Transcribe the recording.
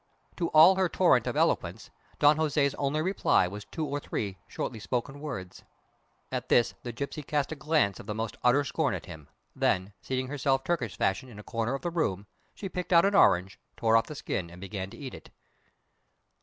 To all her torrent of eloquence Don Jose's only reply was two or three shortly spoken words. At this the gipsy cast a glance of the most utter scorn at him, then, seating herself Turkish fashion in a corner of the room, she picked out an orange, tore off the skin, and began to eat it.